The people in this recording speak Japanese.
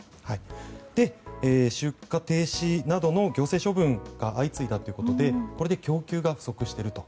それで出荷停止などの行政処分が相次いだことでこれで供給が不足していると。